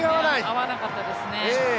合わなかったですね。